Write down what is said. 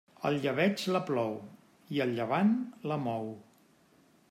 El llebeig la plou i el llevant la mou.